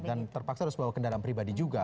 dan terpaksa harus bawa kendaraan pribadi juga